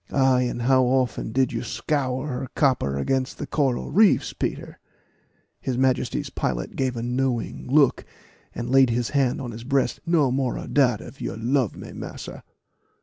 "Ay, and how often did you scour her copper against the coral reefs, Peter?" His Majesty's pilot gave a knowing look, and laid his hand on his breast "No more of dat if you love me, massa."